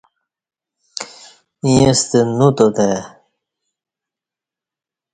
ییݩستہ نو تات آئی۔